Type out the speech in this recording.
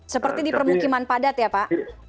seperti di permukiman padat ya pak